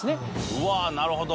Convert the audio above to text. うわなるほど。